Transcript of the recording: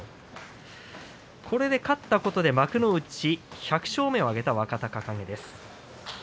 これで勝ったことで幕内１００勝目を挙げた若隆景です。